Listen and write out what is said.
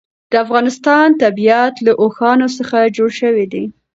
د افغانستان طبیعت له اوښانو څخه جوړ شوی دی.